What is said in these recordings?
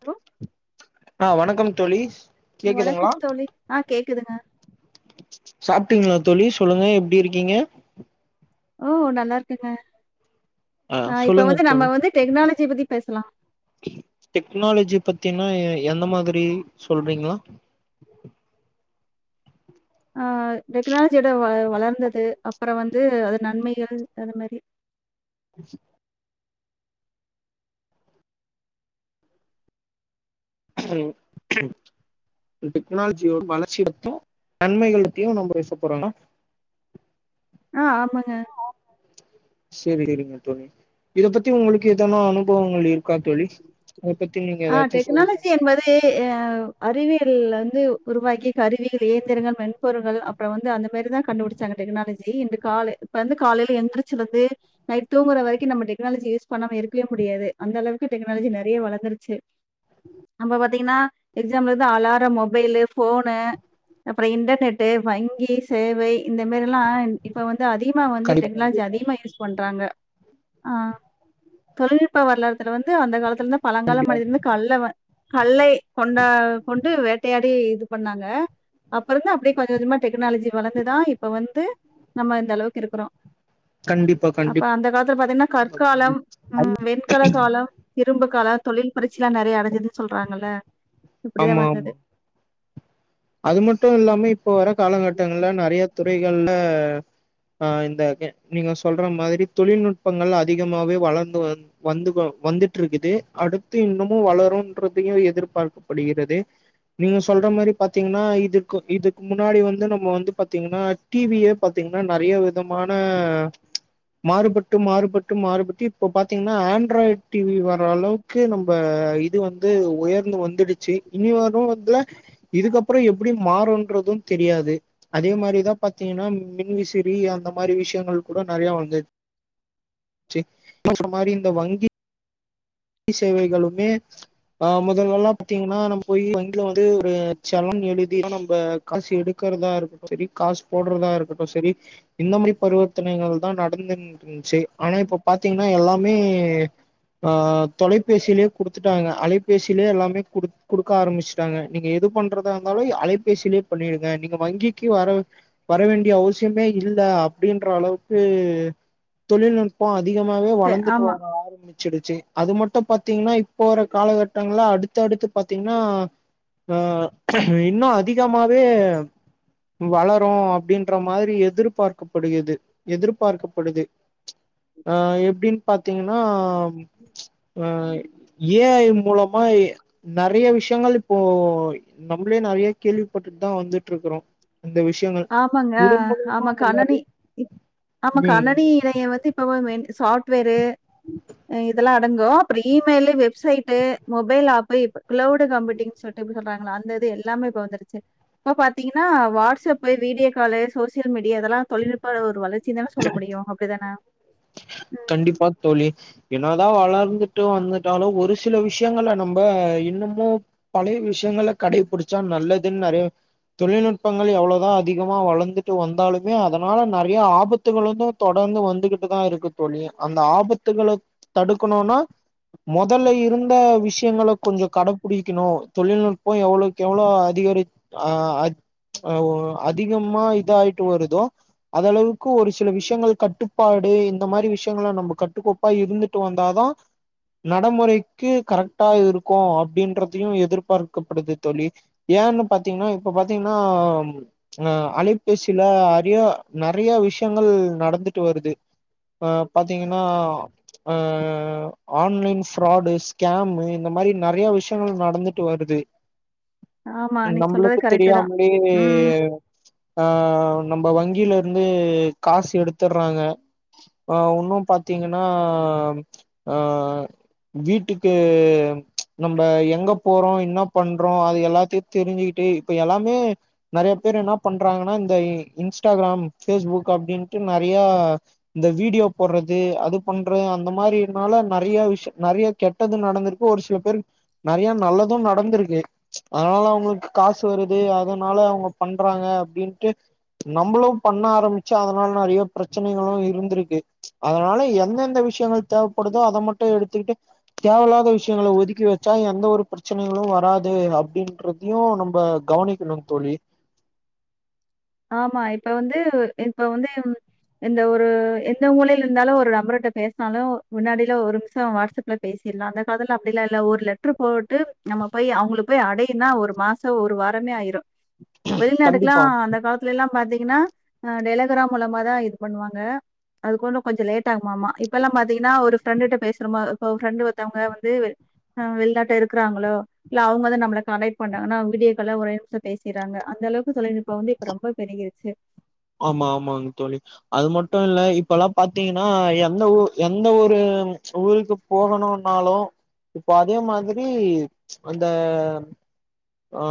Hello ஆ வணக்கம் தோழி கேக்குதுங்களா வணக்கம் தோழி ஆ கேக்குதுங்க சாப்ட்டீங்களா தோழி சொல்லுங்க எப்டி இருக்கீங்க ஓ நல்லா இருக்கங்க ஆ இப்ப சொல்லுங்க வந்து நம்ம தோழி வந்து டெக்னாலஜி பத்தி பேசலா டெக்னாலஜி பத்தீன்னா எ எந்த மாதிரி சொல்றீங்களா ஆ டெக்னாலஜியோட வ வளர்ந்தது அப்புற வந்து அது நன்மைகள் அது மாரி ம் ம் ம் டெக்னாலஜியோட வளர்ச்சியத்து நன்மைகளத்தையு நம்ம பேசப்போறோங்ளா ஆ ஆமாங்க ஆ சரி சரிங்க தோழி இத பத்தி உங்களுக்கு எதனா அனுபவங்கள் இருக்கா தோழி அத பத்தி நீங்க ஏதாச்சு சொல்றீங் டெக்னாலஜி என்பது கெ ஆ அறிவியல் வந்து உருவாக்கி கருவியல் இயந்திரங்கள் மென்பொரு்கள் அப் அப்புற வந்து அந்த மாரிதா கண்டுபுடிச்சாங்க டெக்னாலஜி இந்த கால இப்ப வந்து காலையில எந்திரிச்சதுல இருந்து நைட் தூங்குற வரைக்கு நம்ம டெனாலஜி யூஸ் பண்ணாம இருக்கவே முடியாது அந்த அளவுக்கு டெக்னாலஜி நெறைய வளர்ந்துரு சரி அப்ப பாத்தீங்கன்னா எக்ஸாம்ல இருந்து அலாரம் மொபைலு ஃபோனு அப்புற இன்டர்நெட்டு வங்கி சேவை இந்த மாரிலா இப்ப வந்து அதிகமா வந்து கண்டிப்பா டெக்னாலஜி கண்டிப்பா அதிகமா யூஸ் பண்றாங்க ஆ தொழில்நுட்ப வரலாறுத்துல வந்து அந்த காலத்துல இருந்தா பழங்காலம் கண்டிப்பா இருந்து கல்ல வ கல்லை கொண்டா கொண்டு வேட்டையாடி இது பண்ணாங்க அப்புறந்தா அப்டியே கொஞ்ச கொஞ்சமா டெக்னாலஜி வளர்ந்துதா இப்ப வந்து நம்ம இந்த அளவுக்கு இருக்குறோ கண்டிப்பா அப்ப கண்டிப்பா அந்த காலத்துல பாத்தீங்கன்னா தோழி கற்காலம் ம் வெண்கல காலம் இரும்பு கால தொழில் புரட்சிலா நறைய அடஞ்சதுன் சொல்றாங்கல்ல இப்டிதா ஆமா ஆமா வந்தது அது மட்டு இல்லாம இப்ப வர காலகட்டங்கள்ல நறைய துறைகள்ல ஆ இந்த க நீங்க சொல்ற மாதிரி தொழில்நுட்பங்கள் அதிகமாவே வளர்ந்து வந் வந்துகு வந்துட்டு இருக்குது அடுத்து இன்னமு வளருன்றதையு எதிர்பார்க்கப்படுகிறது நீங்க சொல்ற மாரி பாத்தீங்கன்னா இதுக்கு இதுக்கு முன்னாடி வந்து நம்ம வந்து பாத்தீங்கன்னா டீவியே பாத்தீங்கன்னா நறைய வி தமான மாறுபட்டு மாறுபட்டு மாறுபட்டு இப்போ பாத்தீங்கன்னா ஆண்ட்ராய்டு டிவி வர்ற அளவு க்கு நம்ப இது வந்து உயர்ந்து வந்துடுச்சு இனி வரு வந்து இதுக்கப்புறோ எப்டி மாறுன்றது தெரியாது அதே மாரிதா பாத்தீங்கன்னா மின்விசிறி அந்த மாரி விஷயங்கள் கூட நெறையா வந்துச் ச்சு நீங்க சொன்ன மாரி இந்த வங்கி கி சேவைகளும் மே அ மொதல்லா பாத்தீங்கன்னா நம்ம போய் வங்கில வந்து ஒரு சலான் எழுதி தா நம் ம்ம காசு எடுக்கறதா இருக்கட்டு செரி காசு போட்றதா இருக்கட்டு செரி இந்த மாரி பரிவர்த்தனைகள் தா நடுந்துன்னு இர்ந்துச்சு ஆனா இப்ப பாத்தீங்கன்னா எல்லாமே ஆ ஆ தொலைபேசிலேயு குடுத்துட்டாங்க அலைபேசிலயு எல்லாமே குடுக் குடுக்க ஆரம்பிச்சுட்டாங்க நீங்க எது பண்றதா இருந்தாலு அலை பேசிலயு சொல்லியிருக்கே நீங்க வங்கிக்கி வர வரவேண்டிய அவசியமே இல்ல அப்டீன்ற அளவுக்கு தொழில்நுட்போ அதிகமாவே ட வளந்துட்டு ஆமா. வர ஆரம்பிச்சிடுச்சு அது மட்டு பாத்தீங்கன்னா இப்போ வர காலகட்டங்கள்ல அடுத்து அடுத்து பாத்தீங்ன்னா ஆ இன்னு அதிகமாவே வளரு அப்டின்ற மாதிரி எதிர்பார்க்கப்படுகிறது எதிர்பார்க்கப்படுது அ எப்டின் பாத்தீங்கன்னா ஆ ஏ ஐ மூலமா நெறைய விஷயங்கள் இப்போ நம்மளே நெறைய கேள்விப்பட்டுட்டு தா வந்துட் ட்ருக்குறோ இந்த விஷயங்கள் ஆமாங்க. ஆ ஆமா கணனி ம் இத ஏ இப்ப வந்து மெயின்டைன் சாஃப்ட்வேரு அ இதல்லா அடங்கு அப்பறோ இமெயிலு வெப்சைட்டு மொபைல் ஆப் இப்ப க்ளவுடு கம்ப்யூட்டிங் சொல்லி எப்டி சொல்றாங்கள அந்த இது எல்லாமே இப்ப வந்துருச்சுங் இப்ப பாத் தீங்ன்னா WhatsApp video call social media இதெல்லா தொழில்நுட்ப ஒரு வளர்ச் சி தானா சொல்ல முடியு அப்டிதானா கண்டிப்பா தோழி என்னதா வளர்ந்துட்டு வந்துட்டாலு ஒரு சில விஷயங்கள நம்ப இன்னுமும் பழைய விஷயங்கள கடைபுடிச்சா நல்லதுன் நெறைய தொழில்நுட்பங்கள் எவ்ளோதா அதிகமா வளந்துட்டு வந்தாலுமே அதனால நெறைய ஆபத் துகளுக்கு தொடர்ந்து வந்துகிட்டு தா இருக்குத் தோழி அந்த ஆபத்துகள தடுக்கணுன்னா மொதல்ல இருந்த விஷயங்கள கொஞ்ச கடைபிடிக்கணு தொழில்நுட்போ எவ்ளோக் எவ்ளோ அதிகரிச் அ அத் ஓ அதிகமா இதாயிட்டு வருதோ அதளவுக் க்கு ஒரு சில விஷயங்கள் கட்டுப்பாடு இந்த மாரி விஷயங்கள நம்ம கட்டுக்கோப்பா இருந்துட்டு வந்தா தா நடமுறைக்கு கரெக்டா இது இருக்கு அப்டின்றதையு எதிர்பார்க்கப்படுது தோழி ஏன்னு பாத்தீங்கன்னா இப்ப பாத்தீங்கன்னா அ அலைபேசில ஆடியோ நெறைய விஷயங்கள் நடந்துட்டு வருது ப்ப பாத்தீங்கன்னா அ ஆன்லைன் ஃப்ராடு ஸ்கேமு இந்த மாரி நெறைய விஷயங்கள் நடந்துட்டு வருது ஆமா. நீங்க சொல்றது நம்மளுக்கு கரெக்ட்டு தான். தெரியாமலே ம். ஆ நம்ம வங்கில இருந்து காசு எடுத்துர்றாங்க ஆ ஒண்ணு பாத்தீங்கன்னா அ வீட்டுக்கு நம்ப எங்க போறோ என்ன பண்றோ அது எல்லாத்தையு தெருஞ்சுக்கிட்டு இப்ப எல்லாமே நெறைய பேர் என்ன பண்றாங்கன்னா இந்த இன்ஸ்டாகிராம் பேஸ்புக் க்கு அப்டின்ட்டு நெறையா இந்த வீடியோ போட்றது அது பண்ற அந்த மாரினால நெறைய விஷ்யோ நெறைய கெட்டது நடந்துருக்கு ஒரு சில பேருக் நெறைய நல்லது நடந்துருக்கு அதுனால அவுங்களுக்கு காசு வருது அதுனால அவாங்க பண்றாங்க அப்டின்ட்டு நம்மளு பண்ண ஆரம்பிச்சா அதனால நெறையா பிரச்சனைகளு இருந்திருக்கு அதனால எந்தெந்த விஷ்யங்கள் தேவைப்படுதோ அத மட்டு எடுத்துகிட்டு தேவயில்லாத விஷ்யங்கள ஒதுக்கி வெச்சா எந்த ஒரு பிரச்சனைகளு வராது அப்டின்ற தயு நம்ப கவனிக்கணுந் தோழி ஆமா இப்ப வந்து இப்ப வந்து எந்த ஒரு எந்த மூலைல இருந்தாலு ஒரு நபர்கிட்ட பேசினாலு முன்னாடியெல்லா ஒரு நிமிஷோ வாட்ஸ் அப் ல பேசிர்லா அந்தகாலத்துல அப்டியெல்லா இல்ல ஒரு லெட்டரு போட்டு நம்ம போய் அவுங்களுக்கு போய் அடையுனா ஒரு மாசோ த்தோ ஒரு வாரமே ஆயிரு வெளிநாடுகல்லா கண்டிப்பா அந்த ஸ்டேஜ்ல எல்லா பாத்தீங்கன்னா டெலகிராம் மூலமாதா இது பண்ணுவாங்க அதுக்குன்னு கொஞ்சோ லேட் ஆகுமாமா இப்பல்லா பாத்தீங்கனா ஒரு ஃப்ரெண்டுட்ட பேசறமா இப்ப ஒரு ஃப்ரெண்டு ஒருத்தவங்க வந்து ஆ வெளிநாட்ட இருக்கறாங்ளோ இல்ல அவுங்க வந்த நம்ள காண்டெக்ட் பண்ணாங்னா வீடியோ கால்ல ஒரே நிமிஷோ பேசிர்றாங்க அந்தளவுக்கு தொழில்நுட்போ வந்து இப்ப ரொம்ப பெருகிருச்சு ஆமா ஆமாங் தோழி அது மட்டு இல்ல இப்பல்லா பாத்தீங்னா எந்த ஊ எந்த ஒரு ஊருக்கு போகணுனாலு இப்போ அதே மாதிரி அந்த ஆ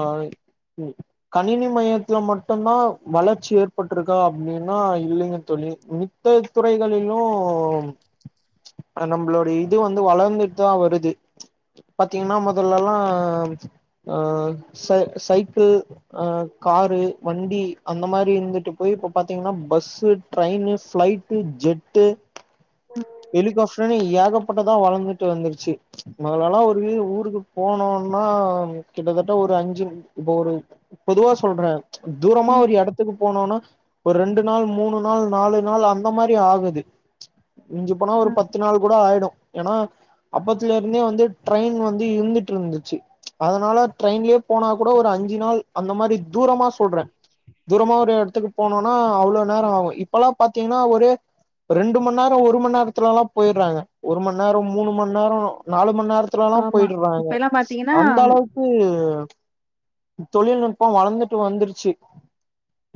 கணினி மையத்துல மட்டுந்தா வளர்ச்சி ஏற் பட்டிருக்கா அப்டின்னா இல்லைங்க தோழி மித்த துறைகளிலு நம்மளோட இது வந்து வளந்துட்தா வருது பத்தீங்னா மொதல்லல்லா அ சை சைக்கிள் அ காரு வண்டி அந்த மாரி இருந்து ட்டு போய் இப்ப பாத்தீங்னா பஸ்ஸு, ட்ரெயின்னு, ஃபிளை ட்டு, ஜெட்டு, ஹெலிகாப்ஃனு ஏகப்பட்டதா வளந்துட்டு வந்திருச்சு மொதலல்லா ஒரு ஊருக்கு போனோனா கிட்டத்தட்ட ஒரு அஞ்சு இப்ப ஒரு பொதுவா சொல்ற தூரமா ம். ஒரு எடத்துக்கு போனுனா ஒரு ரெண்டு நாள் மூணு நாள் நாலு நாள் அந்த மாரி ஆகுது மிஞ்ஜி போனா ஒரு ம். பத்து நாள் கூட ஆயிடு ஏனா அப்பத்திலிருந்தே வந்து ட்ரெயின் வந்து இருந்துட்டு இருந்துச்சு அதனால ட்ரெயின்லயே போனா கூட ஒரு அஞ்சு நாள் அந்த மாரி தூரமா சொல்றன் தூரமா ஒரு எடத்துக்கு போனுனா அவ்வோ நேரோ ஆகு இப்பல்லா பாத்தீங்னா ஒரே ரெண்டு மண் நேரோ ஒரு மண் நேரத்துலல்லா போயிர்றாங்க ஒரு மணி நேரோ மூணு மணி நேரோ நாலு மண் நேர த்துலல்லா ஆமா. போயிடறாங்க இப்பல்லாம் பாத்தீங்கன்னா, அந்த அளவுக்கு தொழில்நுட்போ வளந்துட்டு வந்துருச்சு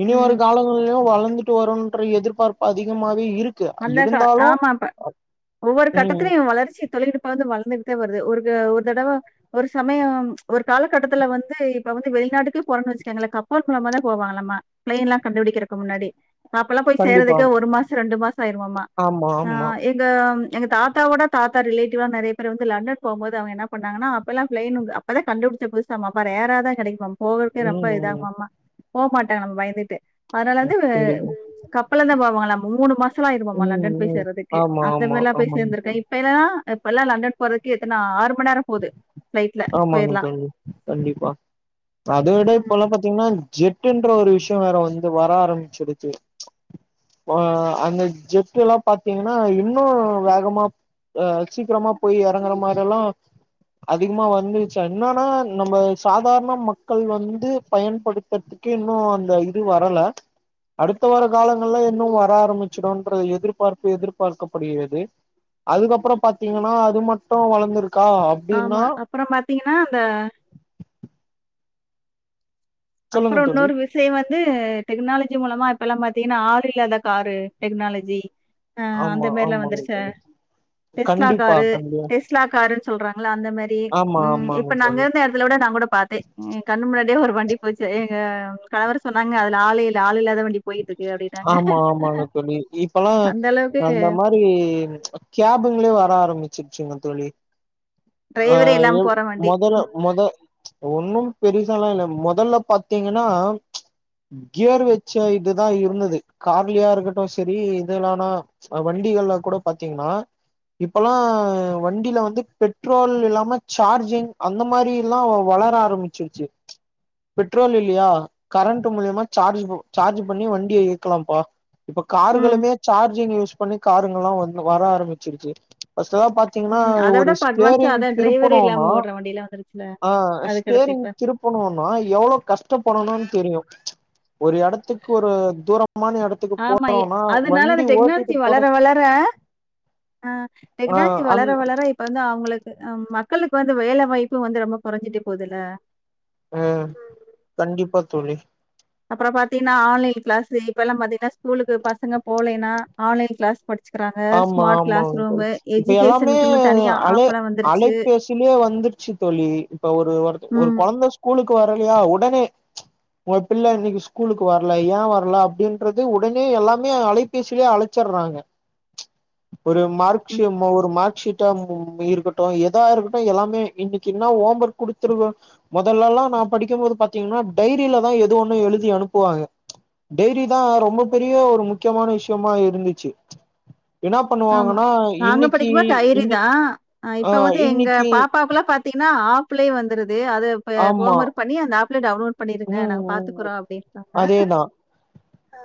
இனி வரு ம் காலங்களிலு வளந்து துட்டு வருன்ற எதிர்பார்ப்பு அதிகமாவே இருக் அந்த கா ஆமாப்ப ஒவ்வொரு ம் கட்டத்திலையு இவன் வளர்ச்சி தொழில்நுட்ப்பா வந்து வளந்துகிட்டுதா வருது ஒருக ஒரு தடவ ஒரு சமயோ ஒரு காலகட்டத்துல வந்து இப்ப வந்து வெளிநாட்டுக்கே போறன்னு வொச்சுக்கோங்ளே கப்பல் மூலமாதா போவாங்களமா ப்ளைன்னல்லா கண்டுபிடிக்கிறக்கு முன்னாடி அப்பல்லா போய் கண்டிப்பா சேர்றதக்கே ஒரு மாசோ ரெண்டு மாசோ ஆயிருமாமா ஆமா ஆ ஆமா எ இந்த எங்க தாத்தா ஓட தாத்தா ரிலேட்டிவ்லா நெறையா பேர் வந்து லண்டன் போம்போது அவுங்க என்ன பண்ணாங்னா அப்பல்லா ப்ளைனுங்க அப் பதா கண்டுபிடிச்ச புதுசாமா அப்ப ரேறாதா கெடைக்குமாம் போறர்கே ரொம்ப ம் ம் இதாகுமாமா போ மாட்டாங்கலாமா பயந்துட்டே அதனால வந்து இ கண்டிப்பா கப்பல்தா போவாங்களாமா மூணு மாசோல்லா ஆயிருமாமா ம் லண்டன் போய் ம் சேர்றதுக்கு ஆமா அந்த ஆமா மாரில்லா போய் ஆமாங்க சேந்திருக்கா தோழி இப் இப்ப என்னன்னா இப்பல்லா லண்டன் போர்றதுக்கே எத்தனா ஆறு மண் நேரோ போது ஆமாங் தோழி கண்டிப்பா அத விட இப்போல்லா பாத்தீங்னா ஜெட்டின்ற ஒரு விஷயோ வேற வந்து வர ஆரம்பிச்சிடுச்சு [inaudible] ஆ அந்த ஜெட்டு எல்லா பாத்தீங்கனா இன்னு வேகமாப் அ சீக்கிரமா போய் எறங்குற மாரில்லா அதிகமா வந்து ச்ச என்னன்னா நம்ம சாதாரண மக்கள் வந்து பயன்படுத்த க்கு இன்னு அந்த இது வரல அடுத்த வர காலங்கள்லா இன்னு வர ஆரம்பிச்சிடுன்ற எதிர்பார்ப்பு எதிர்பார்க்கப்படுகிறது அதுக்கப்பறோ பாத்தீங்கனா அது மட்டு வளந்துருக்கா ஆமா அப்பறோ பாத்தீங்கனா அந்த சொல்லுங்க அப்பறோ தோழி இன்னோரு விஸ் சே வந்து டெக்னாலஜி மூலமா இப்பலா பாத்தீங்கனா ஆளு இல்லாத காரு டெக்னாலஜி ஆ அந்த ஆமா மாதிரில்லா ஆமாங்க வந்துருச்சா டெஸ்லா கண்டிப்பா காரு கண்டிப்பா டெஸ்லா காருன் சொல்றாங்களா அந்த மாதிரி ஆமா ம் இப்ப ஆமாங்க நா தோழி அங்க இருந்த சில விட நா கூட பாத்தே கண்ணு முன்னாடியே ஒரு வண்டி போச்சு எங்க கணவர் சொன்னாங்க அதுல ஆளே இல்ல ஆளு இல்லாத வண்டி போய்ட்டுருக்கு அப்டின் ஆமா ஆமாங்க தோழி இப்பல்லா அந்த அளவுக்கு அந்த மாதி கேபுங்களு வர ஆரம்பிச்சிருச்சுங்க தோழி ஆ டிரைவரே இல்லாம ம் போற வண்டி மொதல ம் மொத ஒன்னும் பெருசால்லா இல்ல மொதல்ல பாத்தீங்கன்னா கியர் வச்சு இதுதா இருந்தது கார்லையா இருக்கட்டு சரி இதுலானா வண்டிகள்ல கூட பாத்தீங்கன்னா இப்பல்லா வண்டியில வந்து பெட்ரோல் இல்லாம சார்ஜிங் அந் இந்த மாரி எல்லா வளர ஆரம்பிச்சிருச்சு பெட்ரோல் இல்லையா கரண்ட் மூலியமா சார்ஜ் சார்ஜ் பண்ணி வண்டிய க்கலாம்ப்பா இப்ப ம் கார்களுமே சார்ஜிங் யூஸ் பண்ணி காருங்கல்லா வந்து வர ஆரம்பிச்சிருச்சு ஃபஸ்ட்டு எல்லா பா பாத்தீங்கன்னா ம் அத விட ஒரு இப்ப அட்வான்ஸா ஸ்டேரிங் அதா டிரைவரே இல்லாம திருப்பணுன்னா ஓடுற வண்டிலா வந்துருச்சுல ஆ அதுக்கடுத்து ஸ்டேரிங் இப்ப திருப் திருப்பனுன்னா எவ்வளோ கஷ்டப்படணுன் தெரியு ஒரு எடத்துக்கு ஒரு தூரோ ஆமா அதனால அந்த ஓட்டிட்டு டெக்னாலஜி போற வளர வளர ஆ ஆ டெக்னாலஜி அந் வளர வளர இல்ல இப்ப வந்து அவுங்களுக்கு மக்களுக்கு வந்து வேல வாய்ப்பு வந்து ரொம்ப கொறஞ்சிட்டே போதுல்ல ம் கண்டிப்பா தோழி அப்பறோ பாத்தீங்கன்னா ஆன்லைன் கிளாஸ் இப்பெல்லா பாத்தீங்கன்னா ஸ்கூலுக்கு பசங்க போலைன்னா ஆன்லைன் கிளாஸ் படிச்சுக்கிறாங்க. ஆமா ஸ்மார்ட் ஆமா கிளாஸ் ரூமு இப்ப எல்லாமே எஜுகேஷனுக்குன்னு தனியா அலை ஆப்பெல்லாம் வந்துருச்சு. அலைபேசிலேயே வந்துட் ச்சு தோழி இப்ப ஒரு ஒரு ம், கொழந்த ஸ்கூலுக்கு வரலையா உடனே ஒரு பிள்ள இன்னைக்கு ஸ்கூலுக்கு வரல ஏ வரல அப்டின்றது உடனே எல்லாமே அழை பேசிலயே அழச்சுற்றாங்க ஒரு ம். மார்க்ஸ்யமோ ஒரு மார்க் ஷீட் ட்டம் இருக்கட்டு எதா இருக்கட்டு எல்லாமே இன்னைக்கு என்ன ஹோம் ஒர்க் குடுத்துருவ மொதல்லல்லா நா படிக்கும்போது பாத்தீங்கனா டைரியில தா எதோ ஒன்னு எழுதி அனுப்புவாங்க டைரி தா ரொம்ப பெரிய ஒரு முக்கியமான விஷயமா இருந்துச்சு என்ன ஆமா பண்ணுவாங்கன்னா நாங்க இன்னைக்கு படிக்கும் போது டைரி இன்னைக் தா ஆ இப்ப வந்து எங்க இன்னிக்கி பாப்பாவுக்குலா பாத் தீங்னா ஆப்லேயே வந்துருது அத அ ஆமா ஹோம் ஒர்க் பண்ணி அந்த ஆப்லே டவுன்லோட் பண்ணிருங்க ம் நாங்க ம் பாத்துக்குறோ அப்டிப்பாங்க அதேதா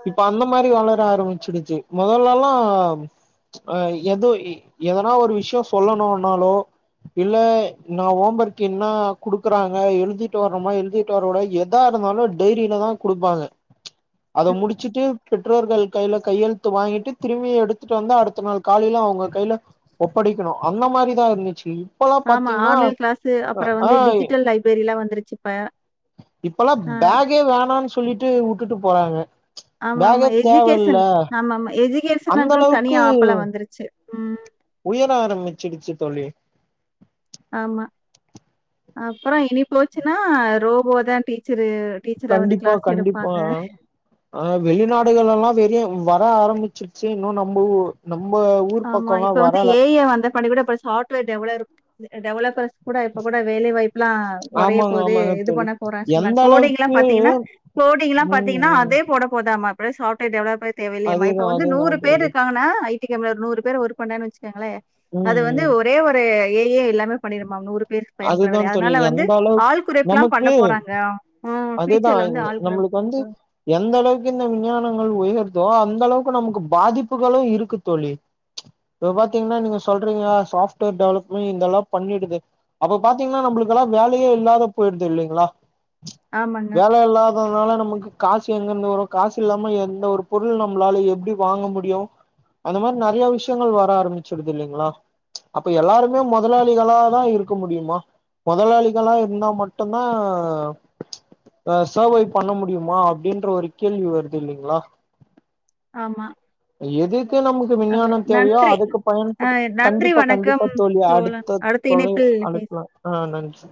இப்ப அந்த மாரி வளர ஆரம்பிச்சடுச்சு முதல்லல்லா அஹ் எதோ எதனா ஒரு விஷயம் சொல்லணும்னாலோ இல்ல நா ஹோம் ஒர்க் என்ன குடுக்குறாங்க எழுதிட்டு வரோமா எழுதிட்டு வர கூட எ எதா இருந்தாலும் டைரியில தா கொடுப்பாங்க அத ம். முடிச்சுட்டு பெற்றோர்கள் கையில கையெழு து வாங்கிட்டு திரும்பி எடுத்துட்டு வந்து அடுத்த நாள் காலையில அவங்க கையில ஒப்படைக்கணு அந்த மாரிதா இருந்துச்சு இப்பல்லா ஆமா பாத்தீங்கன்னா ஆன்லைன் கிளாஸ் அ அப்புறோ ஆ வந்து டிஜிட்டல் லைப்ரரி எல்லா வந்துருச்சு இப்ப இப்பல்லா ஆ பேக்கே வேணாம்னு சொல்லிட்டு வுட்டுட்டு போறாங்க ஆமா பேகே ஆமா எஜுகேஷன் தேவயில்ல ஆமா ஆமா அந்த எஜுகேஷன்க்கு அளவுக்கு தனியா ஆப்பலா வந்துருச்சு உயர ஆரம்பிச்சிடுச்சு தோழி ஆமா அப்புறோ இனி போச்சுன்னா ரோபோ தா டீச்சரு டீச்சரா வந்து கண்டிப்பா கிளாஸ் கண்டிப்பா எடுப்பாங்க ஆ வெளிநாடுகள் எல்லா வெளிய வர ஆரம்பிச்சி இன்னு நம்ம ஊர் நம்ம ஊர் பக்கம்லா வரல பண்ணி கூட அப்ப சாஃப்வேர் டெல டெவலப்பர் கூட இப்ப கூட வேலைவாய்ப்பு எல்லா குறய ஆமாங்க போது ஆமாங்க இது தோழி பண்ண போறேன்னு எந்த சொன்னாங் கோடைல்லா அளவுக்கு பாத்தீங்கன்னா கோடைக்கில்லா ம் பாத்தீங்கன்னா ம் அதே போட போதாம இருக்கு சாப்ட்வேர் டெவலப்பர் தேவையில்லையாம் அதேதா இப்ப வந்து அதேதா நூறு பேர் தோழி இருக்காங்கன்னா ஐ டி கம்பெனில நூறு பேர் வொர்க் பண்ணா வச்சிக்கோங்களே ம் அது வந்து ம் ஒரே ஒரு ஏ ஏ எல்லாமே பண்ணிருமா நூறு பேர் பண்ற அதுதா வேலைய தோழி அதனால வந்து எந்த அளவு ஆள் குறைப்புலா பண்ண நமக்கு போறாங்க ஆ அதுதா ஃபியூச்சர்லே வந்து ஆளு குறைப்பு நம்மளுக்கு பண்ண வந்து போறாங்க எந்த அளவுக்கு இந்த விஞ்ஞானங்கள் உயருதோ அந்த அளவுக்கு நமக்கு பாதிப்புகளு இருக்குது தோழி இப்ப பாத்தீங்கன்னா நீங்க சொல்றீங்க சாப்ட்வேர் டெவலப்மே இதெல்லா பண்ணிடுது அப்ப பாத்தீங்கன்னா நம்மளுக்கெல்லா வேலையே இல்லாத போயிடுது இல்லேங்களா ஆமாங்க. வேலை இல்லாத அதனால நமக்கு காசு எங்க இருந்து வரும் காசு இல்லாம எந்த ஒரு பொருள் நம்மளால எப்டி வாங்க முடியும் அந்த மாரி நிறைய விஷயங்கள் வர ஆரம்பிச்சிடுது இல்லேங்களா அப்ப எல்லாருமே முதலாளிகளாதா இருக்க முடியுமா முதலாளிகளா இருந்தா மட்டும்தா சர்வே பண்ண முடியுமா அப்டின்ற ஒரு கேள்வி வருது இல்லேங்களா ஆமா எதுக்கு நமக்கு விஞ்ஞான அப்புறம் தேவையோ நன்றி. அதுக்கு அ பயன்பட்டு நன்றி, கண்டிப்பா வணக்கம் கண்டிப்பா தோழி தோழன். அடுத்தது அடுத்த தோழி இணைப்பில் பேச அழைக்கலா ஆ நன்றி